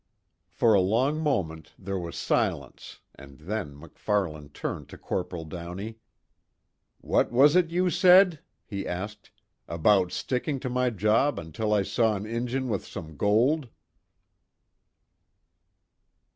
For a long moment there was silence and then MacFarlane turned to Corporal Downey: "What was it you said," he asked, "about sticking to my job until I saw an Injun with some gold?"